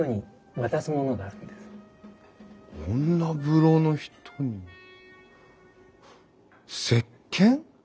女風呂の人にせっけん？